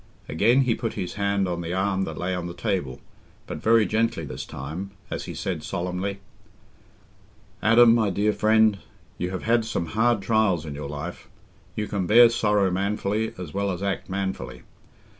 Again he put his hand on the arm that lay on the table, but very gently this time, as he said solemnly: "Adam, my dear friend, you have had some hard trials in your life. You can bear sorrow manfully, as well as act manfully.